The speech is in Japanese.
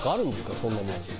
そんなもん。